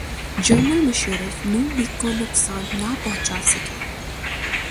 General Musharraf Noon league کو نقصان نہ پہنچا سکے۔